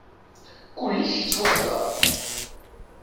Kulec yettwahdar.